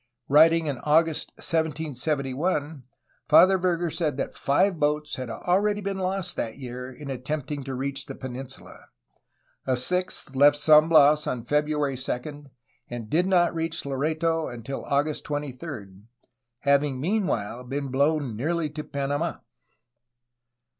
Writing in August 1771 Father Verger said that five boats had already been lost that year in attempting to reach the peninsula. A sixth left San Bias on February 2, and did not reach Loreto until August 23, having meanwhile been blown nearly to Panamd.